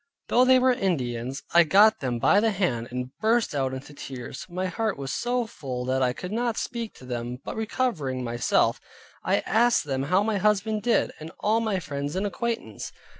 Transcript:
Though they were Indians, I got them by the hand, and burst out into tears. My heart was so full that I could not speak to them; but recovering myself, I asked them how my husband did, and all my friends and acquaintance?